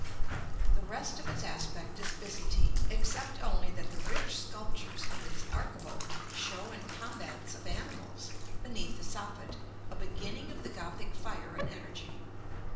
The rest of its aspect is Byzantine, except only that the rich sculptures of its archivolt show in combats of animals, beneath the soffit, a beginning of the Gothic fire and energy.